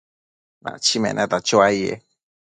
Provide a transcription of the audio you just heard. Nachi meneta chuaye